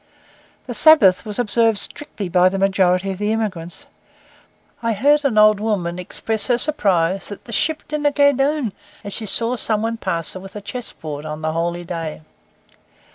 The Sabbath was observed strictly by the majority of the emigrants. I heard an old woman express her surprise that 'the ship didna gae doon,' as she saw some one pass her with a chess board on the holy day.